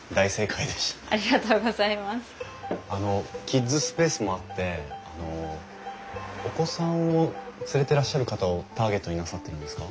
キッズスペースもあってお子さんを連れてらっしゃる方をターゲットになさってるんですか？